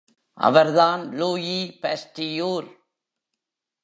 அவர்தான் Louis Pasteur!